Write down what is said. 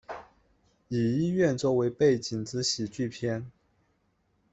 以医院作为背景之喜剧片。